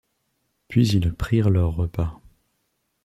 Puis ils prirent leur repas.